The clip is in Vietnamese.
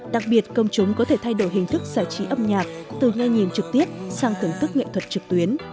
đặc biệt công chúng có thể thay đổi hình thức giải trí âm nhạc từ nghe nhìn trực tiếp sang tưởng thức nghệ thuật trực tuyến